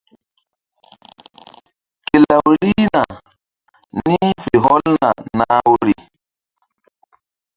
Ke law rihna ni̧h fe hɔlna nah woyri.